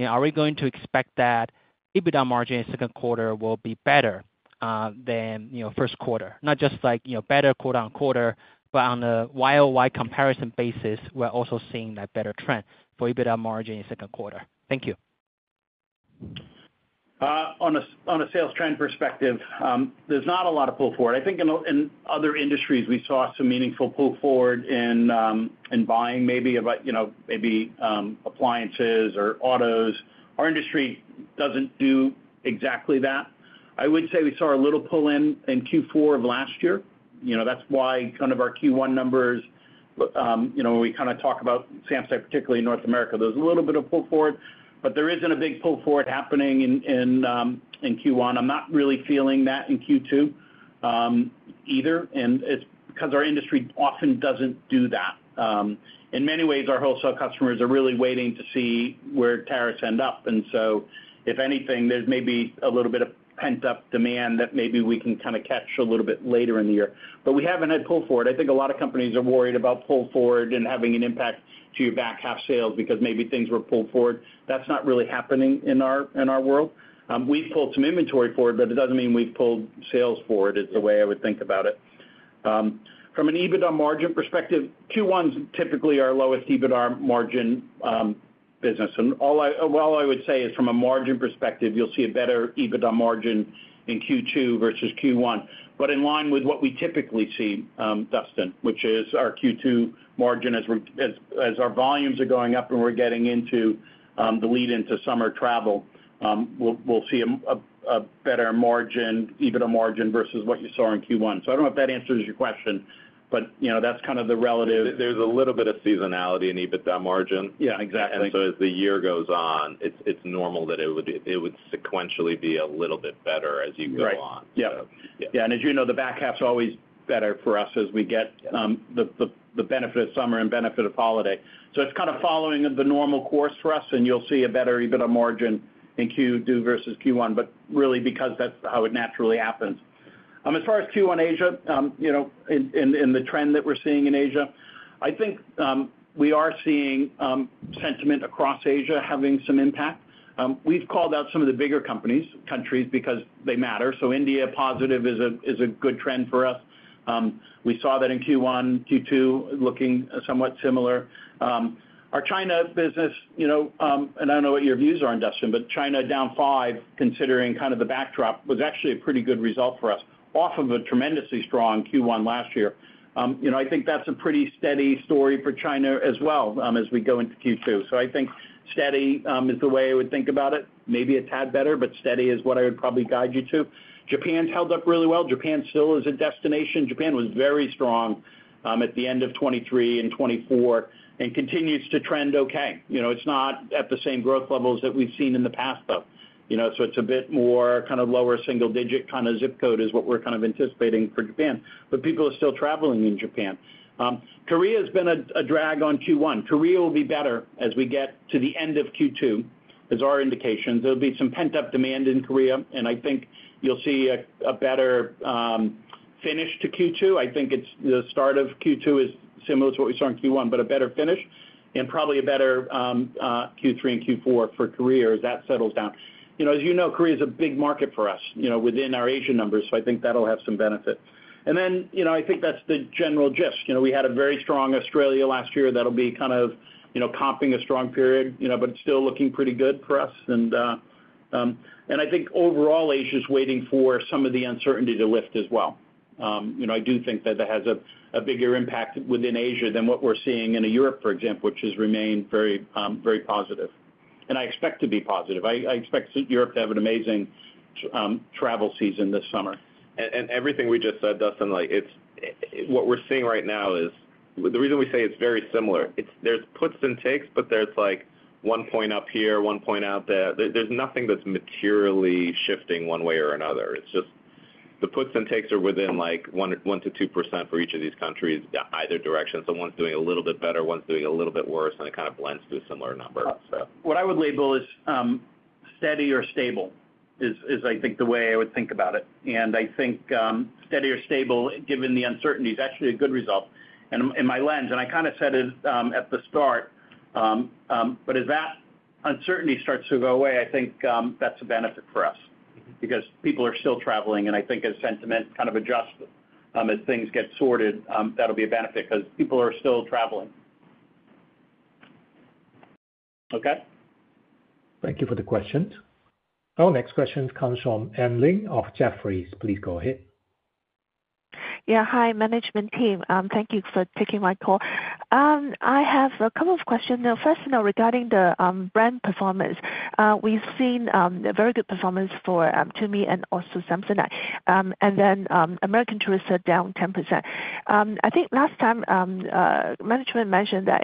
S6: are we going to expect that EBITDA margin in second quarter will be better than first quarter? Not just like better quarter on quarter, but on a worldwide comparison basis, we're also seeing that better trend for EBITDA margin in second quarter. Thank you.
S2: On a sales trend perspective, there's not a lot of pull forward. I think in other industries, we saw some meaningful pull forward in buying maybe about maybe appliances or autos. Our industry doesn't do exactly that. I would say we saw a little pull in in Q4 of last year. That's why kind of our Q1 numbers, when we kind of talk about Samsonite, particularly in North America, there's a little bit of pull forward. There isn't a big pull forward happening in Q1. I'm not really feeling that in Q2 either. It is because our industry often doesn't do that. In many ways, our wholesale customers are really waiting to see where tariffs end up. If anything, there's maybe a little bit of pent-up demand that maybe we can kind of catch a little bit later in the year. We haven't had pull forward. I think a lot of companies are worried about pull forward and having an impact to your back half sales because maybe things were pulled forward. That's not really happening in our world. We've pulled some inventory forward, but it doesn't mean we've pulled sales forward is the way I would think about it. From an EBITDA margin perspective, Q1s typically are lowest EBITDA margin business. All I would say is from a margin perspective, you'll see a better EBITDA margin in Q2 versus Q1. In line with what we typically see, Dustin, which is our Q2 margin as our volumes are going up and we're getting into the lead into summer travel, we'll see a better margin, EBITDA margin versus what you saw in Q1. I don't know if that answers your question, but that's kind of the relative.
S3: There's a little bit of seasonality in EBITDA margin.
S2: Yeah, exactly.
S3: As the year goes on, it's normal that it would sequentially be a little bit better as you go on.
S2: Right. Yeah. As you know, the back half is always better for us as we get the benefit of summer and benefit of holiday. It is kind of following the normal course for us, and you'll see a better EBITDA margin in Q2 versus Q1, but really because that's how it naturally happens. As far as Q1 Asia, in the trend that we're seeing in Asia, I think we are seeing sentiment across Asia having some impact. We've called out some of the bigger countries, because they matter. India positive is a good trend for us. We saw that in Q1, Q2 looking somewhat similar. Our China business, and I don't know what your views are on Dustin, but China down 5%, considering kind of the backdrop, was actually a pretty good result for us off of a tremendously strong Q1 last year. I think that's a pretty steady story for China as well as we go into Q2. I think steady is the way I would think about it. Maybe it's had better, but steady is what I would probably guide you to. Japan's held up really well. Japan still is a destination. Japan was very strong at the end of 2023 and 2024 and continues to trend okay. It's not at the same growth levels that we've seen in the past, though. It's a bit more kind of lower single-digit kind of zip code is what we're kind of anticipating for Japan. People are still traveling in Japan. Korea has been a drag on Q1. Korea will be better as we get to the end of Q2, as our indications. There'll be some pent-up demand in Korea, and I think you'll see a better finish to Q2. I think the start of Q2 is similar to what we saw in Q1, but a better finish and probably a better Q3 and Q4 for Korea as that settles down. As you know, Korea is a big market for us within our Asia numbers, so I think that'll have some benefit. I think that's the general gist. We had a very strong Australia last year that'll be kind of comping a strong period, but it's still looking pretty good for us. I think overall, Asia is waiting for some of the uncertainty to lift as well. I do think that it has a bigger impact within Asia than what we're seeing in Europe, for example, which has remained very positive. I expect to be positive. I expect Europe to have an amazing travel season this summer.
S3: Everything we just said, Dustin, what we're seeing right now is the reason we say it's very similar. There are puts and takes, but there's like one point up here, one point out there. There is nothing that's materially shifting one way or another. It's just the puts and takes are within 1-2% for each of these countries either direction. One's doing a little bit better, one's doing a little bit worse, and it kind of blends to a similar number.
S2: What I would label as steady or stable is, I think, the way I would think about it. I think steady or stable, given the uncertainty, is actually a good result in my lens. I kind of said it at the start, but as that uncertainty starts to go away, I think that's a benefit for us because people are still traveling. I think as sentiment kind of adjusts as things get sorted, that'll be a benefit because people are still traveling. Okay.
S4: Thank you for the questions. Our next question comes from Emily of Jefferies. Please go ahead. Yeah. Hi, management team. Thank you for taking my call. I have a couple of questions. First, regarding the brand performance, we've seen very good performance for TUMI and also Samsonite, and then American Tourister is down 10%. I think last time, management mentioned that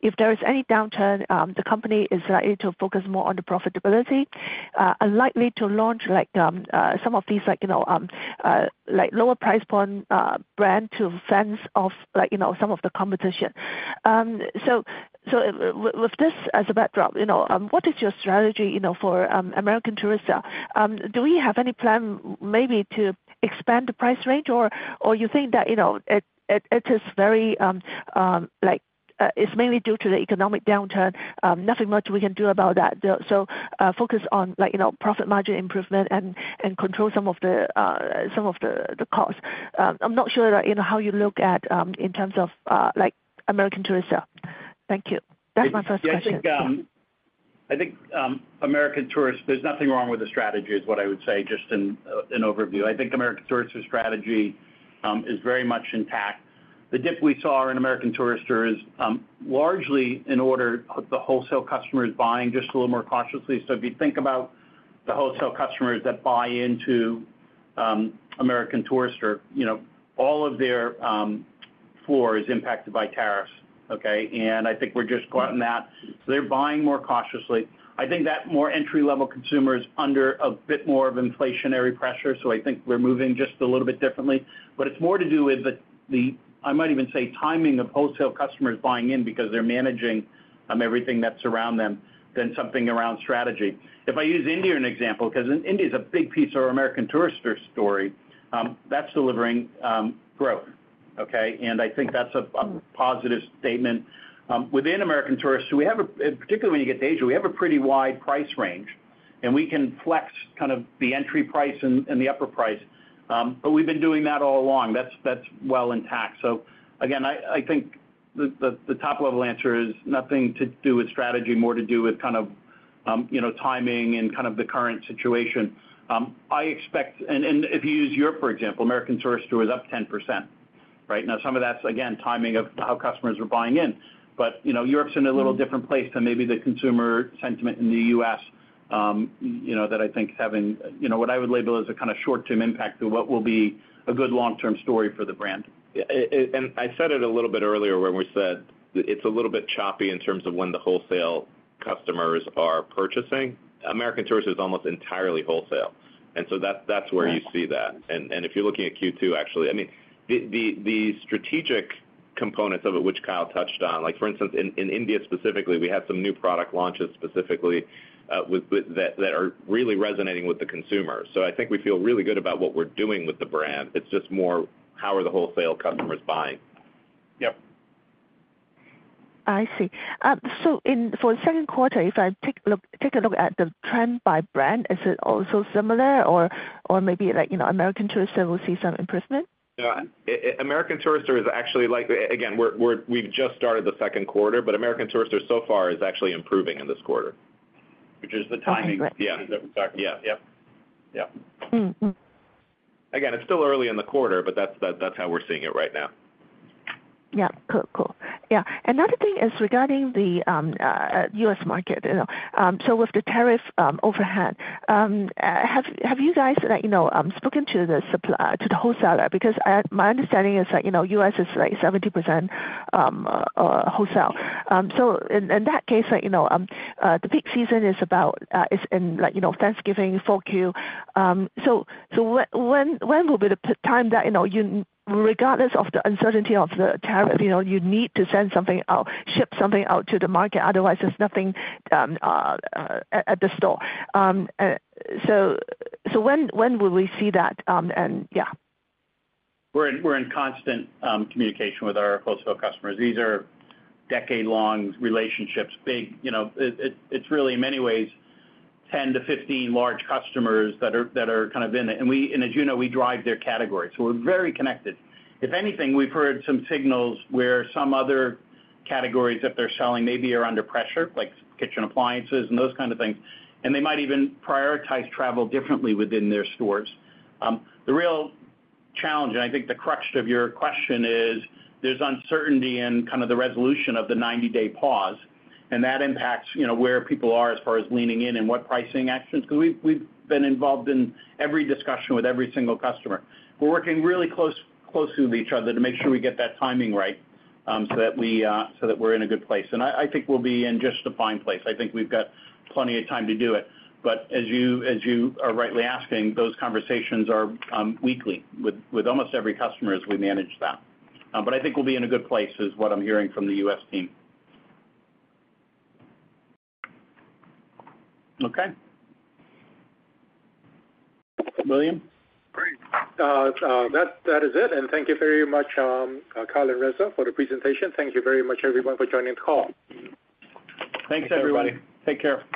S4: if there is any downturn, the company is likely to focus more on the profitability and likely to launch some of these lower price point brands to fence off some of the competition. With this as a backdrop, what is your strategy for American Tourister? Do we have any plan maybe to expand the price range, or you think that it is very like it's mainly due to the economic downturn? Nothing much we can do about that. Focus on profit margin improvement and control some of the costs. I'm not sure how you look at in terms of American Tourister. Thank you. That's my first question.
S2: I think American Tourister, there's nothing wrong with the strategy is what I would say just in overview. I think American Tourister's strategy is very much intact. The dip we saw in American Tourister is largely in order of the wholesale customers buying just a little more cautiously. If you think about the wholesale customers that buy into American Tourister, all of their floor is impacted by tariffs, okay? I think we're just caught in that. They're buying more cautiously. I think that more entry-level consumers are under a bit more of inflationary pressure. I think we're moving just a little bit differently. It is more to do with the, I might even say, timing of wholesale customers buying in because they're managing everything that's around them than something around strategy. If I use India as an example, because India is a big piece of our American Tourister story, that's delivering growth, okay? I think that's a positive statement. Within American Tourister, we have, particularly when you get to Asia, we have a pretty wide price range, and we can flex kind of the entry price and the upper price. We've been doing that all along. That's well intact. I think the top-level answer is nothing to do with strategy, more to do with kind of timing and kind of the current situation. I expect, and if you use Europe, for example, American Tourister was up 10%, right? Now, some of that's, again, timing of how customers are buying in. Europe's in a little different place than maybe the consumer sentiment in the US. that I think is having what I would label as a kind of short-term impact to what will be a good long-term story for the brand.
S3: I said it a little bit earlier when we said it's a little bit choppy in terms of when the wholesale customers are purchasing. American Tourister is almost entirely wholesale. That is where you see that. If you're looking at Q2, actually, I mean, the strategic components of it, which Kyle touched on, like for instance, in India specifically, we had some new product launches specifically that are really resonating with the consumers. I think we feel really good about what we're doing with the brand. It's just more, how are the wholesale customers buying?
S2: Yep. I see. For the second quarter, if I take a look at the trend by brand, is it also similar or maybe American Tourister will see some improvement?
S3: Yeah. American Tourister is actually, again, we've just started the second quarter, but American Tourister so far is actually improving in this quarter.
S2: Which is the timing.
S3: Yeah.
S2: That we are talking about.
S3: Yeah. Again, it's still early in the quarter, but that's how we're seeing it right now. Yeah. Cool. Cool. Yeah. Another thing is regarding the U.S market. With the tariff overhead, have you guys spoken to the wholesaler? Because my understanding is that the US is like 70% wholesale. In that case, the peak season is about in Thanksgiving, Q4. When will be the time that, regardless of the uncertainty of the tariff, you need to send something out, ship something out to the market? Otherwise, there is nothing at the store. When will we see that? Yeah.
S2: We're in constant communication with our wholesale customers. These are decade-long relationships. It's really, in many ways, 10 to 15 large customers that are kind of in it. As you know, we drive their category. We're very connected. If anything, we've heard some signals where some other categories that they're selling maybe are under pressure, like kitchen appliances and those kinds of things. They might even prioritize travel differently within their stores. The real challenge, and I think the crutch to your question, is there's uncertainty in kind of the resolution of the 90-day pause. That impacts where people are as far as leaning in and what pricing actions. We've been involved in every discussion with every single customer. We're working really closely with each other to make sure we get that timing right so that we're in a good place. I think we'll be in just a fine place. I think we've got plenty of time to do it. As you are rightly asking, those conversations are weekly with almost every customer as we manage that. I think we'll be in a good place is what I'm hearing from the U.S. team. Okay. William?
S1: Great. That is it. Thank you very much, Kyle and Reza, for the presentation. Thank you very much, everyone, for joining the call.
S2: Thanks, everybody. Take care.